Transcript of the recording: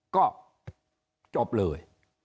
ก็จบเลย